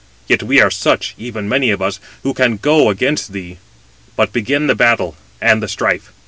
Yet we are such, even many of us, who can go against thee; but begin the battle and the strife."